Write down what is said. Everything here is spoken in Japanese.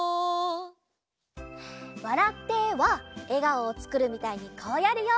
「わらって」はえがおをつくるみたいにこうやるよ。